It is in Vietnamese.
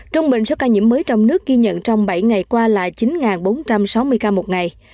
trung bình số ca nhiễm mới trong nước ghi nhận trong bảy ngày qua là chín bốn trăm sáu mươi ca một ngày